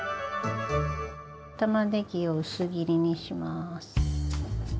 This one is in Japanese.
玉ねぎを薄切りにします。